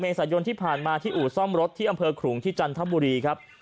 สายนที่ผ่านมาที่อู่ซ่อมรถที่อำเภอขลุงที่จันทบุรีครับ